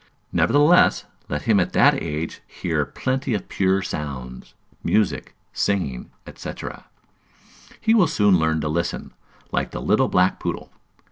Nevertheless, let him at that age hear plenty of pure sounds, music, singing, &c. He will soon learn to listen, like the little black poodle.